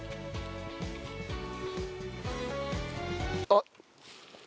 あっ。